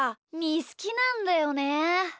ーすきなんだよね。